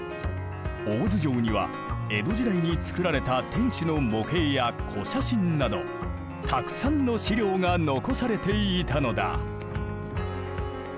大洲城には江戸時代につくられた天守の模型や古写真などたくさんの史料が残されていたのだ。